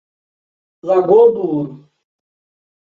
Lagoa do Ouro